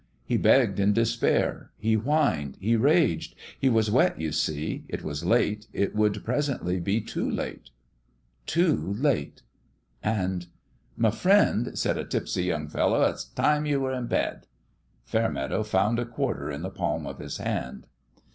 He begged in despair. He whined he raged. He was wet, you see : it was late it would presently be too late. Too late ! And " M' friend," said a tipsy young fellow, " it's time you were in bed." Fairmeadow found a quarter in the palm of his hand.